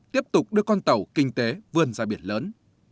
tiếp tục đưa con tàu kinh tế vươn ra biển lớn